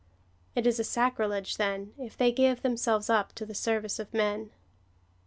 It is sacrilege, then, if they give themselves up to the service of men.